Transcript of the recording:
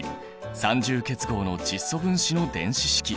三重結合の窒素分子の電子式。